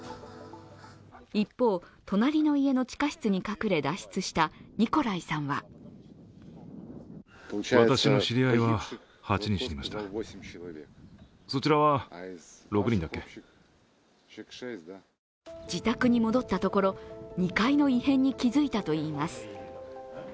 一方、隣の家の地下室に隠れ、脱出したニコライさんは自宅に戻ったところ、２階の異変に気づいたといいます。